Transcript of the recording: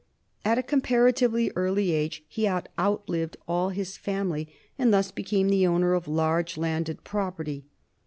At a comparatively early age he had outlived all his family, and thus became the owner of large landed property.